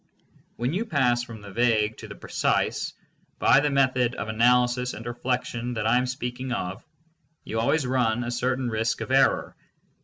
When you pass from the vague to the precise by the method of analysis and reflection that I am speaking of, you always run a certain risk of error.